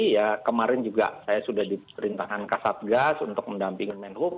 ya kemarin juga saya sudah diperintahkan ke satgas untuk mendampingi menhoop